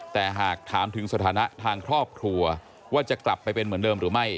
แต่หากถามถึงสถานะทางครอบครัวว่าจะกลับไปเป็นเหมือนเดิมหรือไม่